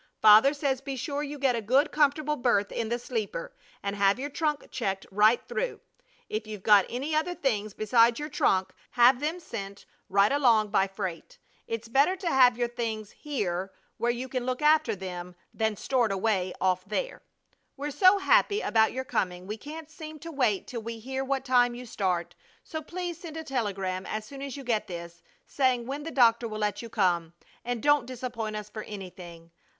Father says be sure you get a good, comfortable berth in the sleeper, and have your trunk checked right through. If you've got any other things besides your trunk, have them sent right along by freight. It's better to have your things here where you can look after them than stored away off there. We're so happy about your coming we can't seem to wait till we hear what time you start, so please send a telegram as soon as you get this, saying when the doctor will let you come, and don't disappoint us for anything.